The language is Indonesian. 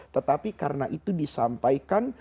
tetapi karena itu disampaikan